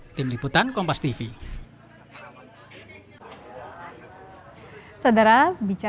selain berkata bahwa demokrasi indonesia adalah sistem yang diinginkan oleh pemerintah